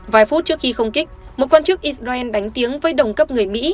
vài phút trước khi không kích một quan chức israel đánh tiếng với đồng cấp người mỹ